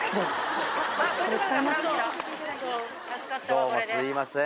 どうもすいません